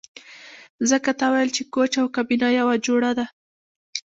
ځکه تا ویل چې کوچ او کابینه یوه جوړه ده